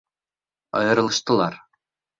Айырылыштылар.